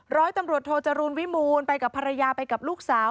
ร้อยตำรวจโทจรูลวิมูลไปกับภรรยาไปกับลูกสาว